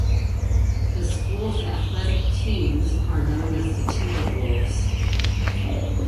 The school's athletic teams are known as the Timberwolves.